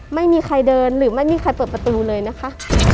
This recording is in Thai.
ไม่มีใครเดินหรือไม่มีใครเปิดประตูเลยนะคะ